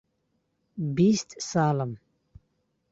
بیست ساڵم.